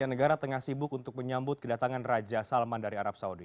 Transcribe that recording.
negara tengah sibuk untuk menyambut kedatangan raja salman dari arab saudi